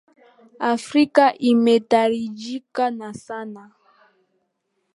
Afrika imetajirika na sanaa.